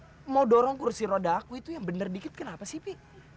kalau mau dorong kursi roda aku itu yang benar dikit kenapa sih pi